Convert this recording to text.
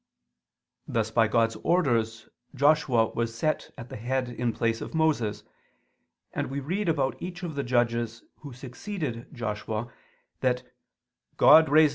Thus by God's orders Josue was set at the head in place of Moses; and we read about each of the judges who succeeded Josue that God "raised